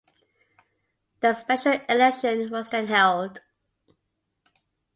A special election was then held.